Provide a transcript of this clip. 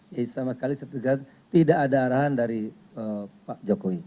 ya sama sekali sepertiga tidak ada arahan dari pak jokowi